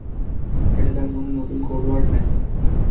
এটা তোর কোন নতুন কোডওয়ার্ড নাকি?